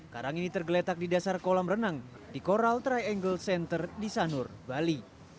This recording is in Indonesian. karang ini tergeletak di dasar kolam renang di coral try angle center di sanur bali